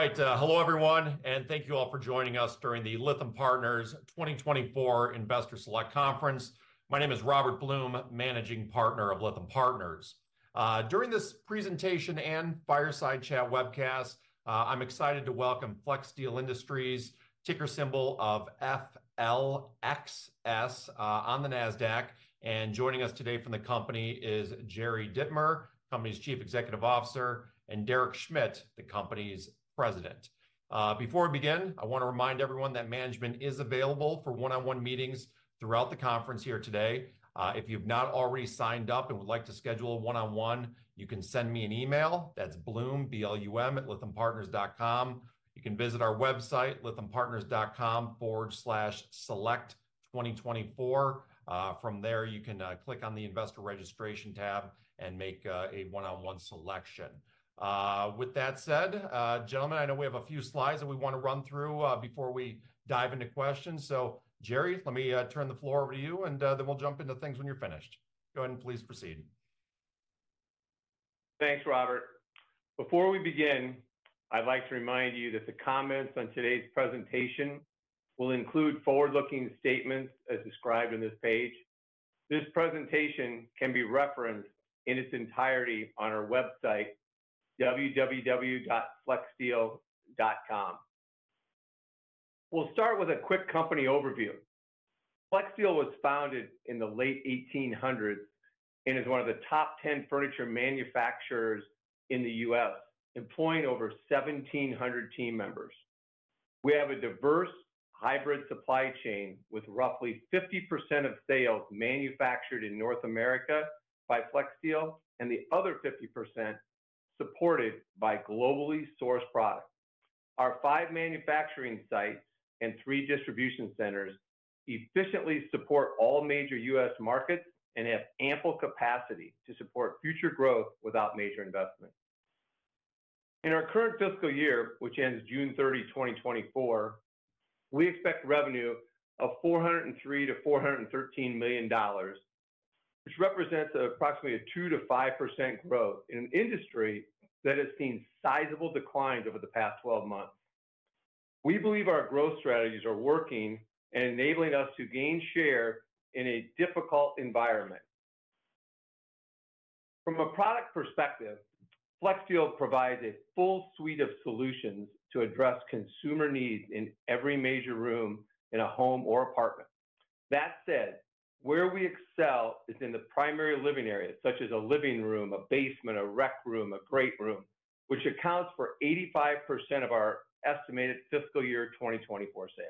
All right. Hello, everyone, and thank you all for joining us during the Lytham Partners 2024 Investor Select Conference. My name is Robert Blum, Managing Partner of Lytham Partners. During this presentation and fireside chat webcast, I'm excited to welcome Flexsteel Industries, ticker symbol FLXS, on the NASDAQ. Joining us today from the company is Jerry Dittmer, company's Chief Executive Officer, and Derek Schmidt, the company's President. Before we begin, I wanna remind everyone that management is available for one-on-one meetings throughout the conference here today. If you've not already signed up and would like to schedule a one-on-one, you can send me an email, that's blum@lythampartners.com. You can visit our website lythampartners.com/select2024. From there, you can click on the investor registration tab and make a one-on-one selection. With that said, gentlemen, I know we have a few slides that we wanna run through, before we dive into questions. So, Jerry, let me turn the floor over to you, and then we'll jump into things when you're finished. Go ahead and please proceed. Thanks, Robert. Before we begin, I'd like to remind you that the comments on today's presentation will include forward-looking statements as described on this page. This presentation can be referenced in its entirety on our website, www.flexsteel.com. We'll start with a quick company overview. Flexsteel was founded in the late 1800s and is one of the top 10 furniture manufacturers in the U.S., employing over 1,700 team members. We have a diverse hybrid supply chain, with roughly 50% of sales manufactured in North America by Flexsteel, and the other 50% supported by globally sourced products. Our 5 manufacturing sites and 3 distribution centers efficiently support all major U.S. markets and have ample capacity to support future growth without major investment. In our current fiscal year, which ends June 30, 2024, we expect revenue of $403 million-$413 million, which represents approximately a 2%-5% growth in an industry that has seen sizable decline over the past 12 months. We believe our growth strategies are working and enabling us to gain share in a difficult environment. From a product perspective, Flexsteel provides a full suite of solutions to address consumer needs in every major room in a home or apartment. That said, where we excel is in the primary living areas, such as a living room, a basement, a rec room, a great room, which accounts for 85% of our estimated fiscal year 2024 sales.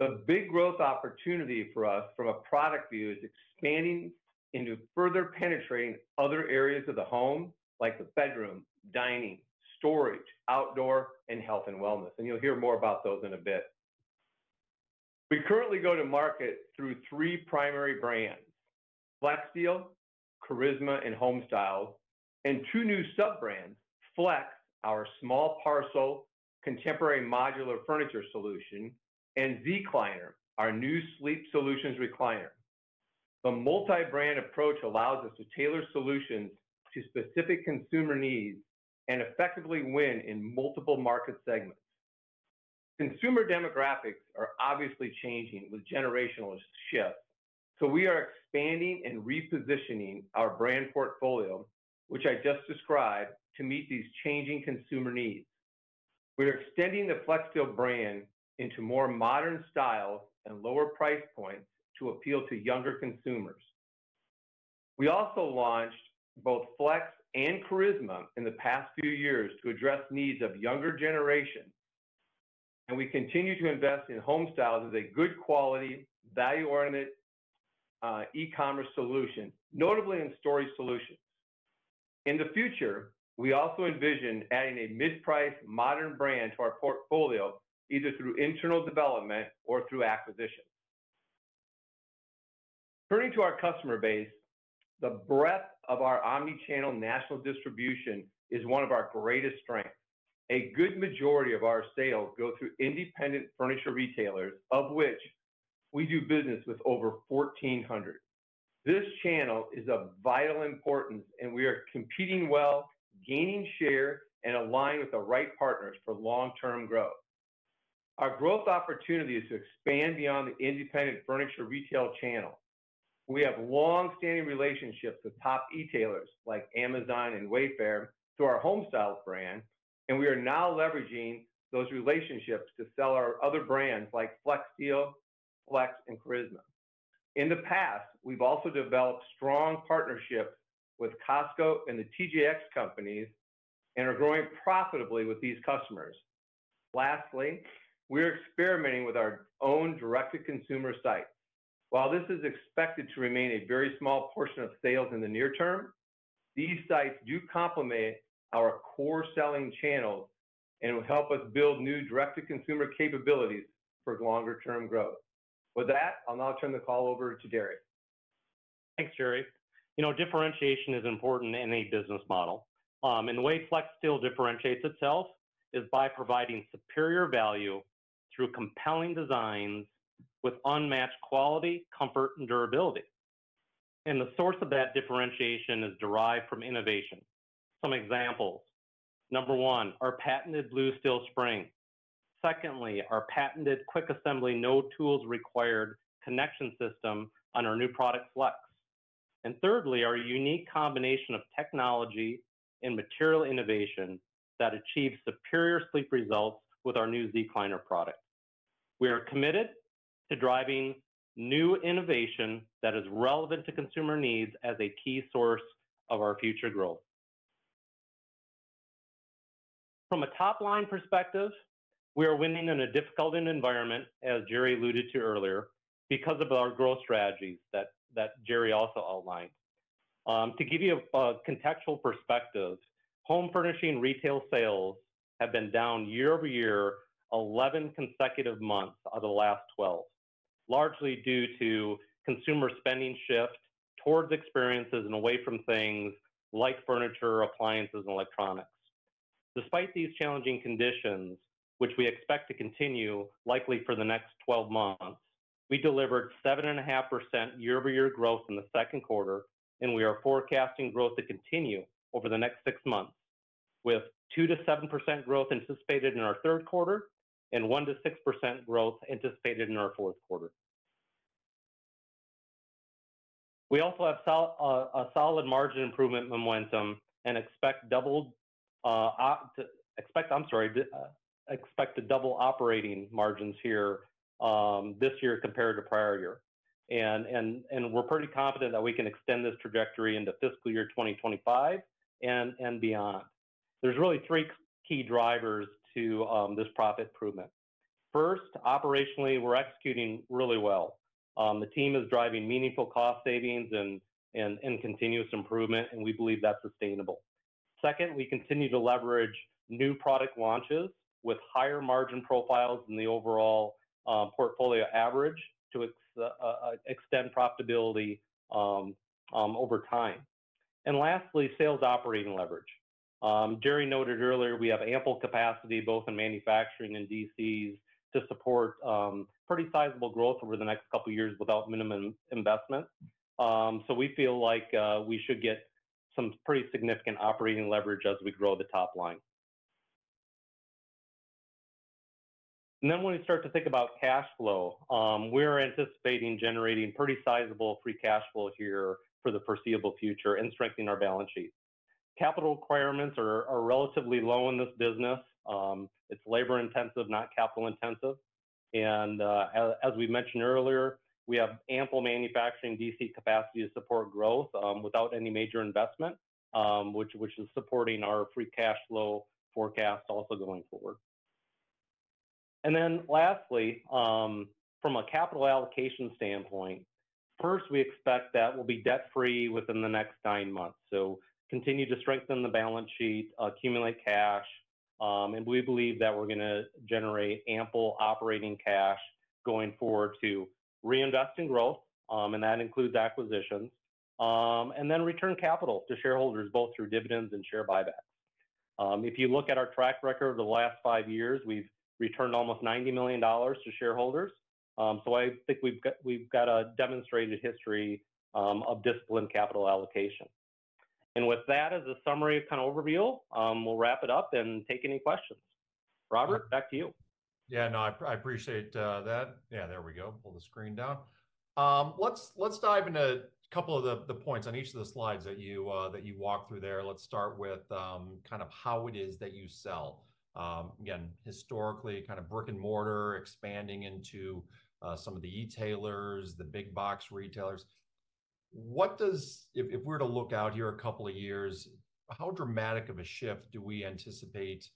The big growth opportunity for us from a product view is expanding into further penetrating other areas of the home, like the bedroom, dining, storage, outdoor, and health and wellness, and you'll hear more about those in a bit. We currently go to market through three primary brands: Flexsteel, Charisma, and Homestyles, and two new sub-brands, Flex, our small parcel, contemporary modular furniture solution, and Zecliner, our new sleep solutions recliner. The multi-brand approach allows us to tailor solutions to specific consumer needs and effectively win in multiple market segments. Consumer demographics are obviously changing with generational shift, so we are expanding and repositioning our brand portfolio, which I just described, to meet these changing consumer needs. We are extending the Flexsteel brand into more modern style and lower price points to appeal to younger consumers. We also launched both Flex and Charisma in the past few years to address needs of younger generation, and we continue to invest in Homestyles as a good quality, value-oriented, e-commerce solution, notably in storage solutions. In the future, we also envision adding a mid-price modern brand to our portfolio, either through internal development or through acquisition. Turning to our customer base, the breadth of our omni-channel national distribution is one of our greatest strengths. A good majority of our sales go through independent furniture retailers, of which we do business with over 1,400. This channel is of vital importance, and we are competing well, gaining share, and aligned with the right partners for long-term growth. Our growth opportunity is to expand beyond the independent furniture retail channel. We have long-standing relationships with top e-tailers, like Amazon and Wayfair, through our Homestyles brand, and we are now leveraging those relationships to sell our other brands, like Flexsteel, Flex, and Charisma. In the past, we've also developed strong partnerships with Costco and the TJX Companies and are growing profitably with these customers. Lastly, we're experimenting with our own direct-to-consumer site. While this is expected to remain a very small portion of sales in the near term, these sites do complement our core selling channels and will help us build new direct-to-consumer capabilities for longer-term growth. With that, I'll now turn the call over to Derek. Thanks, Jerry. You know, differentiation is important in a business model. The way Flexsteel differentiates itself is by providing superior value through compelling designs with unmatched quality, comfort, and durability. And the source of that differentiation is derived from innovation. Some examples, number 1, our patented Blue Steel Spring. Secondly, our patented quick assembly, no tools required connection system on our new product, Flex. And thirdly, our unique combination of technology and material innovation that achieves superior sleep results with our new Zecliner product. We are committed to driving new innovation that is relevant to consumer needs as a key source of our future growth. From a top-line perspective, we are winning in a difficult environment, as Jerry alluded to earlier, because of our growth strategies that Jerry also outlined. To give you a contextual perspective, home furnishing retail sales have been down year over year, 11 consecutive months out of the last 12, largely due to consumer spending shift towards experiences and away from things like furniture, appliances, and electronics. Despite these challenging conditions, which we expect to continue likely for the next 12 months, we delivered 7.5% year-over-year growth in the Q2, and we are forecasting growth to continue over the next 6 months, with 2%-7% growth anticipated in our Q3 and 1%-6% growth anticipated in our Q4. We also have a solid margin improvement momentum and expect to double operating margins here this year compared to prior year. And we're pretty confident that we can extend this trajectory into fiscal year 2025 and beyond. There's really three key drivers to this profit improvement. First, operationally, we're executing really well. The team is driving meaningful cost savings and continuous improvement, and we believe that's sustainable. Second, we continue to leverage new product launches with higher margin profiles than the overall portfolio average, to extend profitability over time. And lastly, sales operating leverage. Jerry noted earlier, we have ample capacity both in manufacturing and DCs to support pretty sizable growth over the next couple of years without minimum investment. So we feel like we should get some pretty significant operating leverage as we grow the top line. And then when we start to think about cash flow, we're anticipating generating pretty sizable free cash flow here for the foreseeable future and strengthening our balance sheet. Capital requirements are relatively low in this business. It's labor intensive, not capital intensive, and as we mentioned earlier, we have ample manufacturing DC capacity to support growth without any major investment, which is supporting our free cash flow forecast also going forward. Then lastly, from a capital allocation standpoint, first we expect that we'll be debt-free within the next nine months. So continue to strengthen the balance sheet, accumulate cash, and we believe that we're gonna generate ample operating cash going forward to reinvest in growth, and that includes acquisitions, and then return capital to shareholders both through dividends and share buybacks. If you look at our track record over the last five years, we've returned almost $90 million to shareholders. So I think we've got a demonstrated history of disciplined capital allocation. With that, as a summary kind of overview, we'll wrap it up and take any questions. Robert, back to you. Yeah, no, I, I appreciate that. Yeah, there we go. Pull the screen down. Let's, let's dive into a couple of the, the points on each of the slides that you that you walked through there. Let's start with kind of how it is that you sell. Again, historically, kind of brick-and-mortar, expanding into some of the e-tailers, the big box retailers. What does... If, if we were to look out here a couple of years, how dramatic of a shift do we anticipate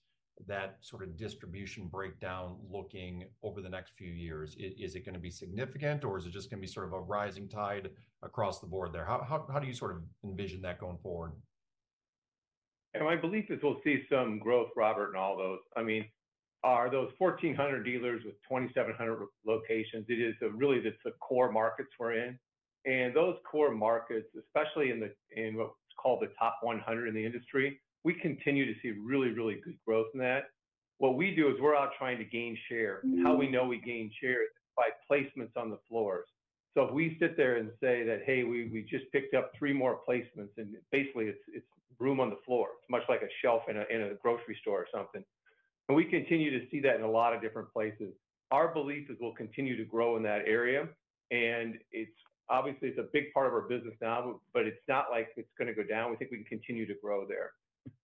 that sort of distribution breakdown looking over the next few years? Is, is it gonna be significant, or is it just gonna be sort of a rising tide across the board there? How, how, how do you sort of envision that going forward? And my belief is we'll see some growth, Robert, in all those. I mean, those 1,400 dealers with 2,700 locations, it is really the core markets we're in. And those core markets, especially in what's called the Top 100 in the industry, we continue to see really, really good growth in that. What we do is we're out trying to gain share. How we know we gain share is by placements on the floors. So if we sit there and say that, "Hey, we just picked up three more placements," and basically it's room on the floor, much like a shelf in a grocery store or something, and we continue to see that in a lot of different places. Our belief is we'll continue to grow in that area, and it's obviously, it's a big part of our business now, but it's not like it's gonna go down. We think we can continue to grow there.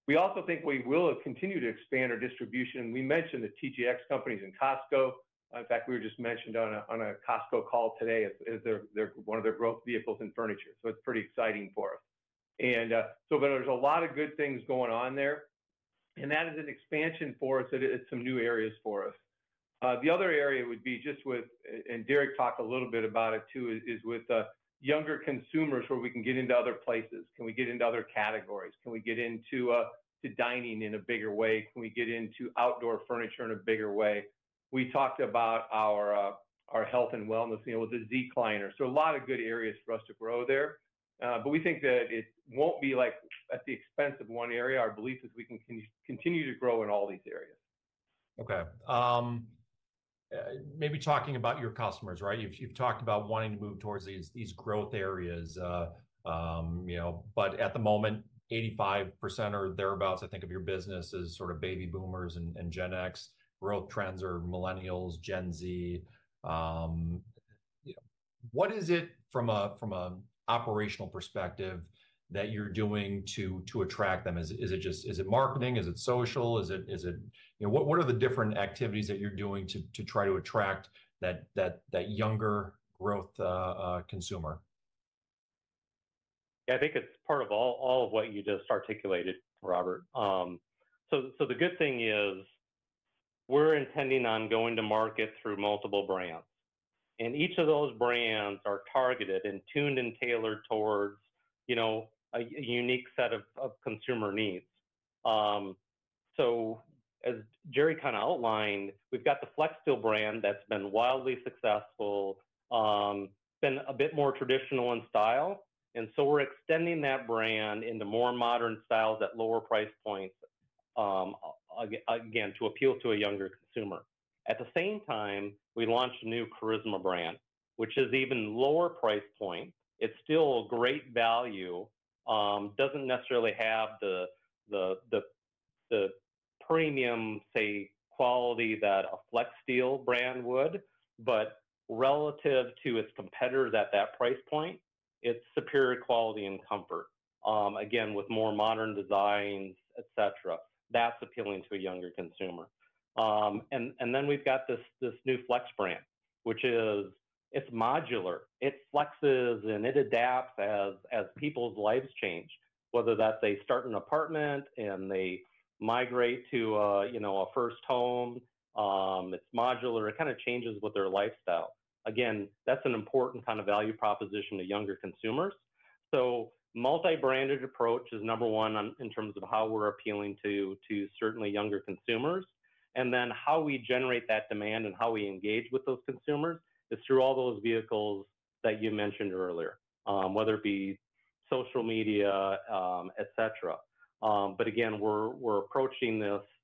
We also think we will continue to expand our distribution. We mentioned the TJX Companies and Costco. In fact, we were just mentioned on a Costco call today as their one of their growth vehicles in furniture, so it's pretty exciting for us. And, so but there's a lot of good things going on there, and that is an expansion for us and it's some new areas for us. The other area would be just with, and Derek talked a little bit about it, too, is with younger consumers where we can get into other places. Can we get into other categories? Can we get into, to dining in a bigger way? Can we get into outdoor furniture in a bigger way? We talked about our, our health and wellness with the Zecliner, so a lot of good areas for us to grow there. But we think that it won't be, like, at the expense of one area. Our belief is we can continue to grow in all these areas. Okay. Maybe talking about your customers, right? You've talked about wanting to move towards these growth areas. You know, but at the moment, 85% or thereabouts, I think, of your business is sort of Baby Boomers and Gen X. Growth trends are Millennials, Gen Z. You know, what is it from a operational perspective that you're doing to attract them? Is it just marketing? Is it social? Is it... You know, what are the different activities that you're doing to try to attract that younger growth consumer? Yeah, I think it's part of all of what you just articulated, Robert. So the good thing is we're intending on going to market through multiple brands, and each of those brands are targeted and tuned and tailored towards, you know, a unique set of consumer needs. So as Jerry kind of outlined, we've got the Flexsteel brand that's been wildly successful, been a bit more traditional in style, and so we're extending that brand into more modern styles at lower price points, again, to appeal to a younger consumer. At the same time, we launched a new Charisma brand, which is even lower price point. It's still a great value. Doesn't necessarily have the, the premium, say, quality that a Flexsteel brand would, but relative to its competitors at that price point, it's superior quality and comfort, again, with more modern designs, et cetera, that's appealing to a younger consumer. And then we've got this new Flex brand, which is, it's modular. It flexes and it adapts as people's lives change, whether that's they start an apartment and they migrate to a, you know, a first home. It's modular. It kind of changes with their lifestyle. Again, that's an important kind of value proposition to younger consumers. So multi-branded approach is number one in terms of how we're appealing to certainly younger consumers, and then how we generate that demand and how we engage with those consumers is through all those vehicles that you mentioned earlier, whether it be social media, et cetera. But again, we're approaching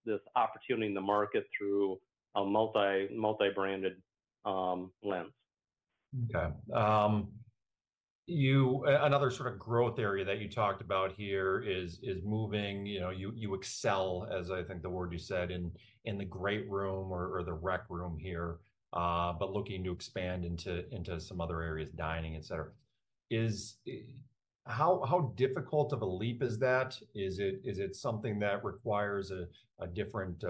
this opportunity in the market through a multi-branded lens. Okay. Another sort of growth area that you talked about here is moving. You know, you excel, as I think the word you said, in the great room or the rec room here, but looking to expand into some other areas, dining, et cetera. How difficult of a leap is that? Is it something that requires a different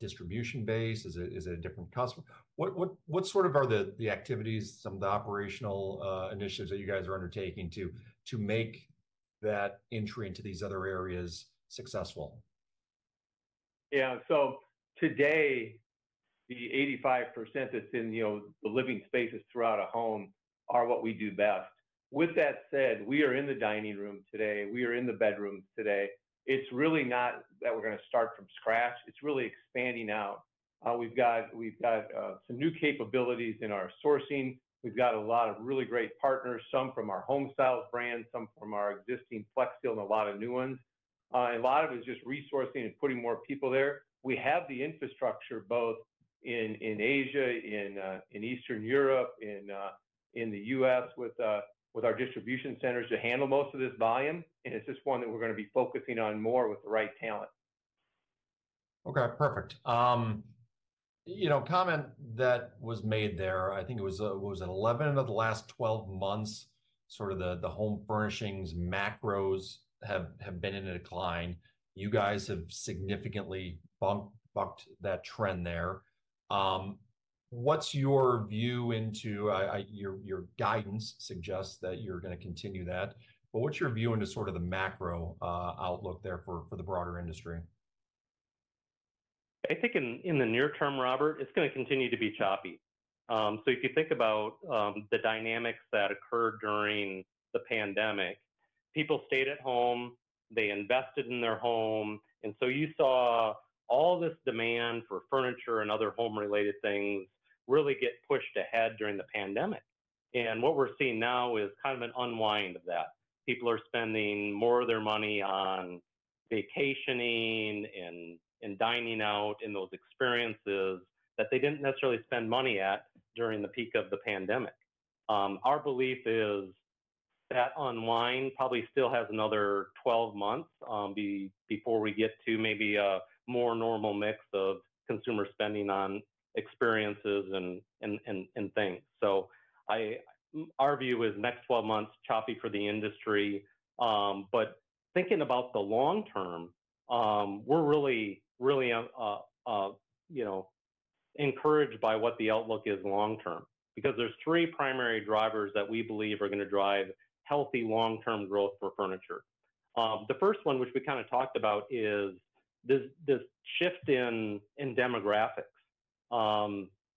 distribution base? Is it a different customer? What sort of are the activities, some of the operational initiatives that you guys are undertaking to make that entry into these other areas successful? Yeah. So today, the 85% that's in, you know, the living spaces throughout a home are what we do best. With that said, we are in the dining room today, we are in the bedrooms today. It's really not that we're gonna start from scratch. It's really expanding out. We've got, we've got, some new capabilities in our sourcing. We've got a lot of really great partners, some from our Homestyles brand, some from our existing Flexsteel, and a lot of new ones. A lot of it's just resourcing and putting more people there. We have the infrastructure both in Asia, in Eastern Europe, in the U.S. with our distribution centers to handle most of this volume, and it's just one that we're gonna be focusing on more with the right talent. Okay, perfect. You know, comment that was made there, I think it was, what was it? 11 of the last 12 months, sort of the home furnishings macros have been in a decline. You guys have significantly bucked that trend there. What's your view into your guidance suggests that you're gonna continue that, but what's your view into sort of the macro outlook there for the broader industry? I think in the near term, Robert, it's gonna continue to be choppy. So if you think about the dynamics that occurred during the pandemic, people stayed at home, they invested in their home, and so you saw all this demand for furniture and other home-related things really get pushed ahead during the pandemic. And what we're seeing now is kind of an unwind of that. People are spending more of their money on vacationing and dining out, and those experiences that they didn't necessarily spend money at during the peak of the pandemic. Our belief is that unwind probably still has another 12 months before we get to maybe a more normal mix of consumer spending on experiences and things. So our view is next 12 months, choppy for the industry. But thinking about the long term, we're really, really, you know, encouraged by what the outlook is long term, because there's three primary drivers that we believe are gonna drive healthy long-term growth for furniture. The first one, which we kind of talked about, is this, this shift in, in demographics.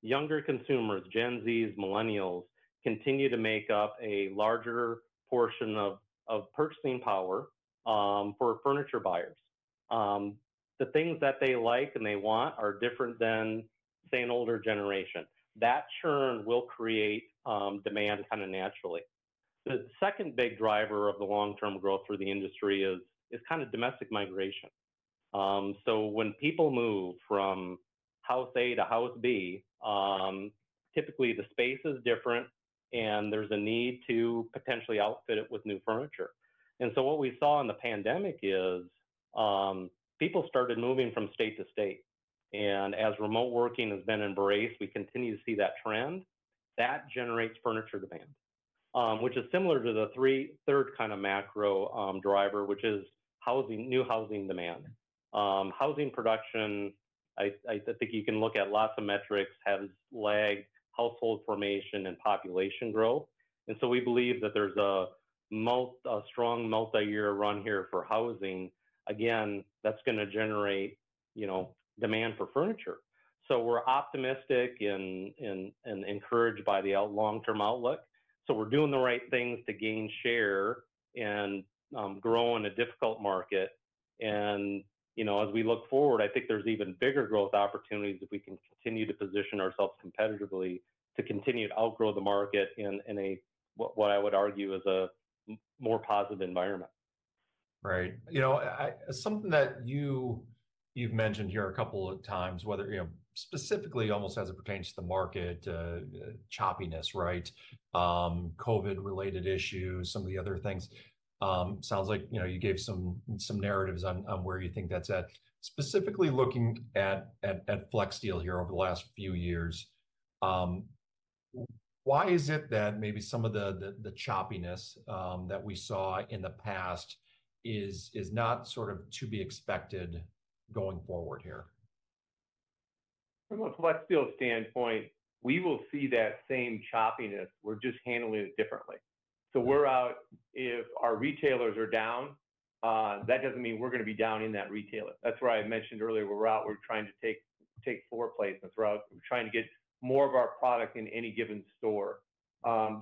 Younger consumers, Gen Z, Millennials, continue to make up a larger portion of, of purchasing power, for furniture buyers. The things that they like and they want are different than, say, an older generation. That churn will create, demand kind of naturally.... The second big driver of the long-term growth for the industry is, is kind of domestic migration. So when people move from house A to house B, typically the space is different, and there's a need to potentially outfit it with new furniture. What we saw in the pandemic is, people started moving from state to state. As remote working has been embraced, we continue to see that trend. That generates furniture demand, which is similar to the third kind of macro driver, which is housing, new housing demand. Housing production, I think you can look at lots of metrics, has lagged household formation and population growth, and so we believe that there's a strong multi-year run here for housing. Again, that's gonna generate, you know, demand for furniture. So we're optimistic and encouraged by the overall long-term outlook, so we're doing the right things to gain share and grow in a difficult market. You know, as we look forward, I think there's even bigger growth opportunities if we can continue to position ourselves competitively to continue to outgrow the market in what I would argue is a more positive environment. Right. You know, I, something that you, you've mentioned here a couple of times, whether, you know, specifically almost as it pertains to the market, choppiness, right? COVID-related issues, some of the other things, sounds like, you know, you gave some narratives on where you think that's at. Specifically, looking at Flexsteel here over the last few years, why is it that maybe some of the choppiness that we saw in the past is not sort of to be expected going forward here? From a Flexsteel standpoint, we will see that same choppiness. We're just handling it differently. So we're out. If our retailers are down, that doesn't mean we're gonna be down in that retailer. That's why I mentioned earlier, we're out, we're trying to take floor placement. We're out, we're trying to get more of our product in any given store.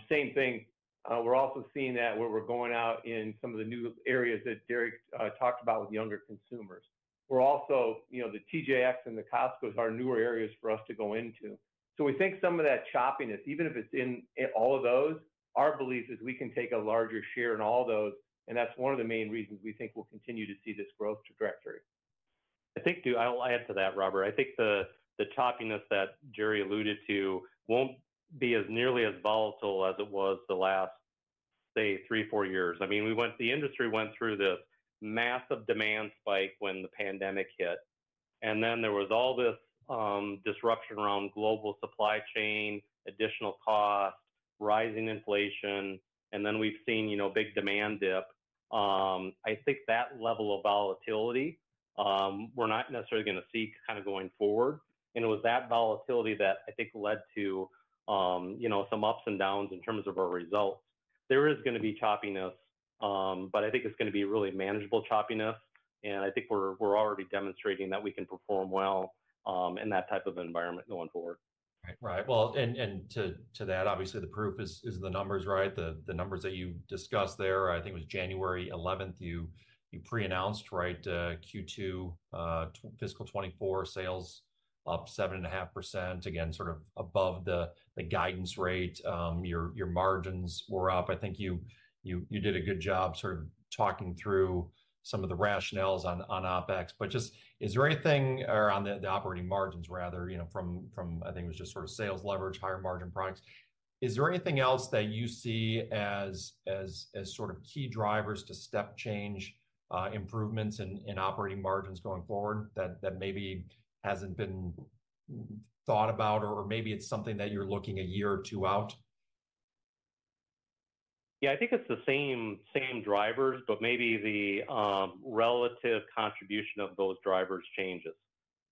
Same thing, we're also seeing that where we're going out in some of the new areas that Derek talked about with younger consumers. We're also, you know, the TJX and the Costcos are newer areas for us to go into. So we think some of that choppiness, even if it's in all of those, our belief is we can take a larger share in all those, and that's one of the main reasons we think we'll continue to see this growth trajectory. I think, too, I'll add to that, Robert. I think the choppiness that Jerry alluded to won't be as nearly as volatile as it was the last, say, three, four years. I mean, we went, the industry went through this massive demand spike when the pandemic hit, and then there was all this disruption around global supply chain, additional costs, rising inflation, and then we've seen, you know, a big demand dip. I think that level of volatility, we're not necessarily gonna see kind of going forward, and it was that volatility that I think led to, you know, some ups and downs in terms of our results. There is gonna be choppiness, but I think it's gonna be really manageable choppiness, and I think we're already demonstrating that we can perform well in that type of environment going forward. Right. Well, to that, obviously, the proof is the numbers, right? The numbers that you discussed there, I think it was January eleventh, you pre-announced, right? Q2 fiscal 2024 sales up 7.5%, again, sort of above the guidance rate. Your margins were up. I think you did a good job sort of talking through some of the rationales on OpEx. But is there anything... Or on the operating margins, rather, you know, from, I think it was just sort of sales leverage, higher margin products. Is there anything else that you see as sort of key drivers to step change, improvements in operating margins going forward, that maybe hasn't been thought about, or maybe it's something that you're looking a year or two out? Yeah, I think it's the same drivers, but maybe the relative contribution of those drivers changes.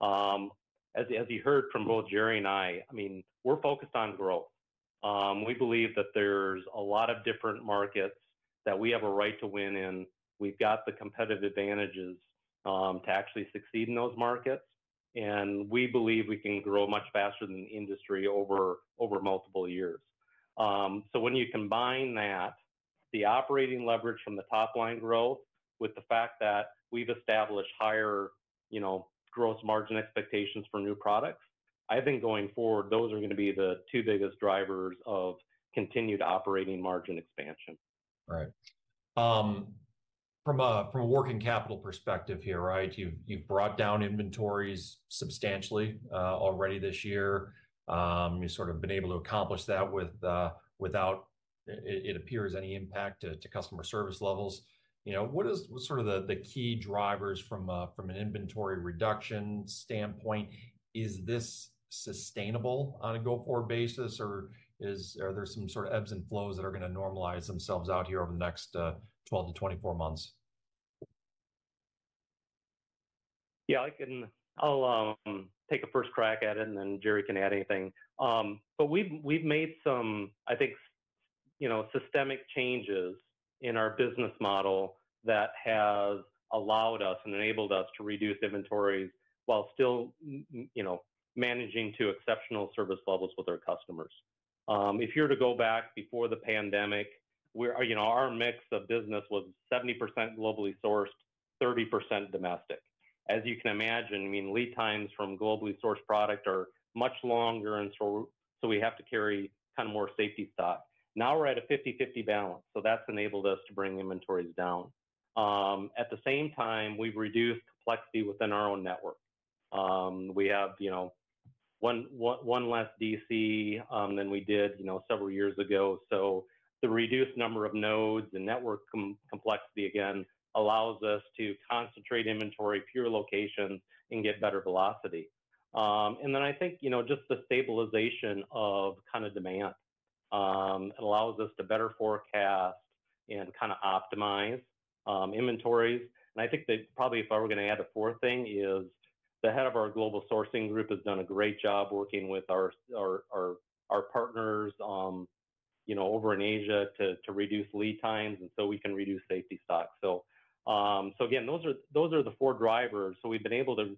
As you heard from both Jerry and I, I mean, we're focused on growth. We believe that there's a lot of different markets that we have a right to win in. We've got the competitive advantages to actually succeed in those markets, and we believe we can grow much faster than the industry over multiple years. So when you combine that, the operating leverage from the top-line growth, with the fact that we've established higher, you know, growth margin expectations for new products, I think going forward, those are gonna be the two biggest drivers of continued operating margin expansion. Right. From a working capital perspective here, right? You've brought down inventories substantially already this year. You've sort of been able to accomplish that without, it appears, any impact to customer service levels. You know, what is sort of the key drivers from an inventory reduction standpoint? Is this sustainable on a go-forward basis, or are there some sort of ebbs and flows that are gonna normalize themselves out here over the next 12-24 months? Yeah, I can I'll take a first crack at it, and then Jerry can add anything. But we've made some, I think, you know, systemic changes in our business model that has allowed us and enabled us to reduce inventories while still you know, managing to exceptional service levels with our customers. If you're to go back before the pandemic, we're, you know, our mix of business was 70% globally sourced, 30% domestic... as you can imagine, I mean, lead times from globally sourced product are much longer, and so we have to carry kind of more safety stock. Now we're at a 50/50 balance, so that's enabled us to bring inventories down. At the same time, we've reduced complexity within our own network. We have, you know, one less DC than we did, you know, several years ago. So the reduced number of nodes and network complexity, again, allows us to concentrate inventory, fewer locations, and get better velocity. And then I think, you know, just the stabilization of kind of demand, it allows us to better forecast and kind of optimize inventories. And I think that probably if I were gonna add a fourth thing, is the head of our global sourcing group has done a great job working with our partners, you know, over in Asia to reduce lead times, and so we can reduce safety stock. So again, those are the four drivers. So we've been able to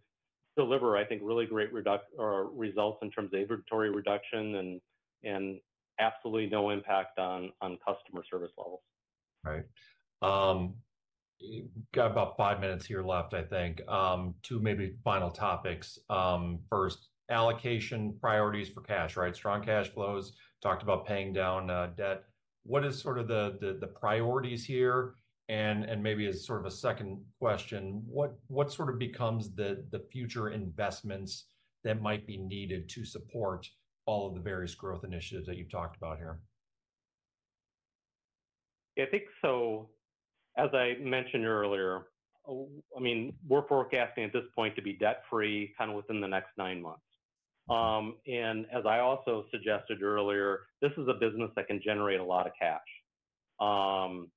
deliver, I think, really great results in terms of inventory reduction and absolutely no impact on customer service levels. Right. You've got about five minutes here left, I think. Two maybe final topics. First, allocation priorities for cash, right? Strong cash flows, talked about paying down debt. What is sort of the priorities here? And maybe as sort of a second question, what sort of becomes the future investments that might be needed to support all of the various growth initiatives that you've talked about here? I think so, as I mentioned earlier, I mean, we're forecasting at this point to be debt-free kind of within the next nine months. And as I also suggested earlier, this is a business that can generate a lot of cash,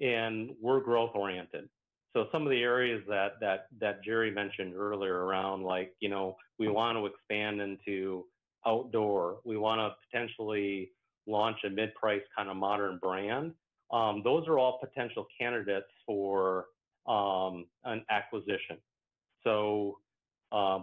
and we're growth-oriented. So some of the areas that Jerry mentioned earlier around, like, you know, we want to expand into outdoor. We wanna potentially launch a mid-price kind of modern brand. Those are all potential candidates for an acquisition. So,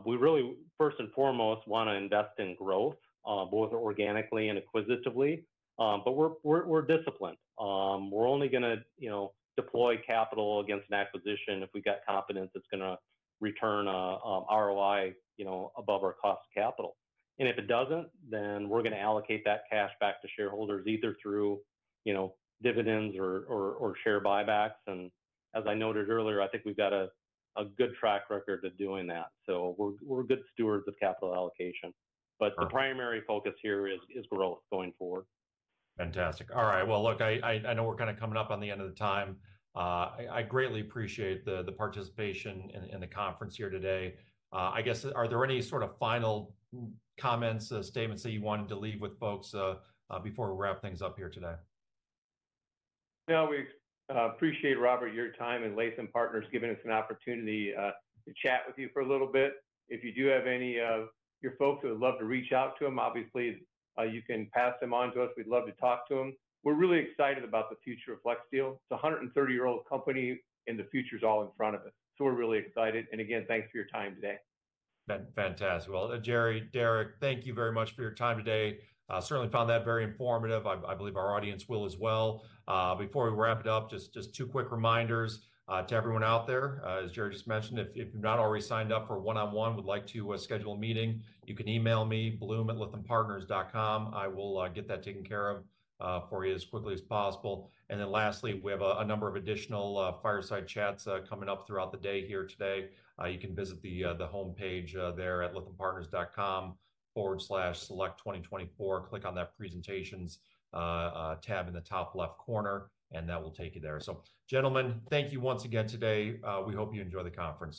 we really, first and foremost, wanna invest in growth, both organically and acquisitively. But we're disciplined. We're only gonna, you know, deploy capital against an acquisition if we got confidence it's gonna return ROI, you know, above our cost of capital. And if it doesn't, then we're gonna allocate that cash back to shareholders, either through, you know, dividends or share buybacks. And as I noted earlier, I think we've got a good track record of doing that, so we're good stewards of capital allocation. Perfect. The primary focus here is growth going forward. Fantastic. All right, well, look, I know we're kind of coming up on the end of the time. I greatly appreciate the participation in the conference here today. I guess, are there any sort of final comments or statements that you wanted to leave with folks before we wrap things up here today? No, we appreciate Robert your time and Lytham Partners giving us an opportunity to chat with you for a little bit. If you do have any your folks who would love to reach out to him, obviously you can pass them on to us. We'd love to talk to him. We're really excited about the future of Flexsteel. It's a 130-year-old company, and the future's all in front of us. So we're really excited, and again, thanks for your time today. Fantastic. Well, Jerry, Derek, thank you very much for your time today. Certainly found that very informative. I believe our audience will as well. Before we wrap it up, just two quick reminders to everyone out there. As Jerry just mentioned, if you've not already signed up for a one-on-one, would like to schedule a meeting, you can email me, blum@lythampartners.com. I will get that taken care of for you as quickly as possible. And then lastly, we have a number of additional fireside chats coming up throughout the day here today. You can visit the homepage there at lythampartners.com/select2024. Click on that Presentations tab in the top left corner, and that will take you there. So gentlemen, thank you once again today. We hope you enjoy the conference.